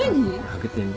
開けてみ。